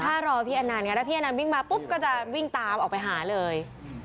ถ้ารอพี่อนันต์ไงถ้าพี่อนันต์วิ่งมาปุ๊บก็จะวิ่งตามออกไปหาเลย